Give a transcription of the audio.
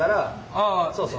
あそうそう。